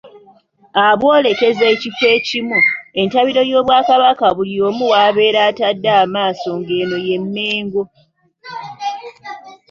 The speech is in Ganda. Abwolekereza ekifo ekimu, entabiro y'Obwakabaka buli omu w'abeera atadde amaaso ng'eno ye Mmengo.